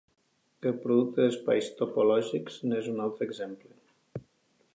El producte d'espais topològics n'és un altre exemple.